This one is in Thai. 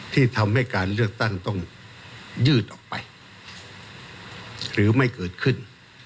ที่ทำให้การเลือกตั้งต้องยืดออกไปหรือไม่เกิดขึ้น